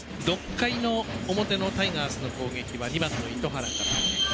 ６回の表のタイガースの攻撃は２番の糸原から。